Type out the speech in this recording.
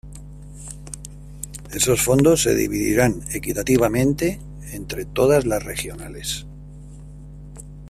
Estos fondos se dividirán equitativamente entre todas las regionales.